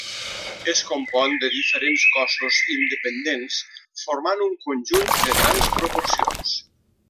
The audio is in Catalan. Es compon de diferents cossos independents formant un conjunt de grans proporcions.